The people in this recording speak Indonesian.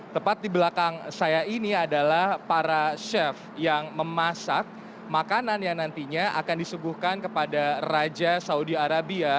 tepat di belakang saya ini adalah para chef yang memasak makanan yang nantinya akan disuguhkan kepada raja saudi arabia